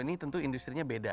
ini tentu industri nya beda